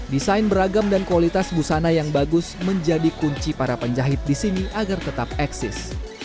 desain beragam dan kualitas busana yang bagus menjadi kunci para penjahit di sini agar tetap eksis